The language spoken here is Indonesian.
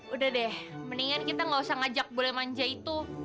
udah deh mendingan kita gak usah ngajak boleh manja itu